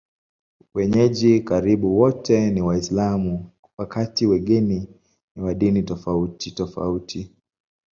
Wenyeji karibu wote ni Waislamu, wakati wageni ni wa dini tofautitofauti.